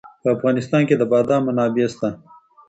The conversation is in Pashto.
په افغانستان کې د بادام منابع شته.